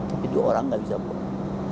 tapi dua orang nggak bisa buat